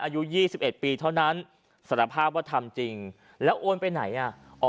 อายุ๒๑ปีเท่านั้นสารภาพว่าทำจริงแล้วโอนไปไหนอ่ะอ๋อ